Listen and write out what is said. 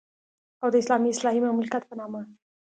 او د اسلامي اصلاحي مملکت په نامه.